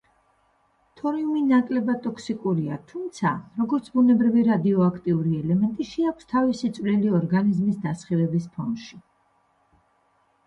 თორიუმი ნაკლებად ტოქსიკურია, თუმცა, როგორც ბუნებრივი რადიოაქტიური ელემენტი შეაქვს თავისი წვლილი ორგანიზმის დასხივების ფონში.